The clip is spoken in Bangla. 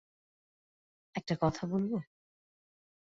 একটা কথা বলব?